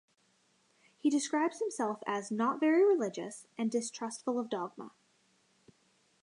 He describes himself as not very religious and distrustful of dogma.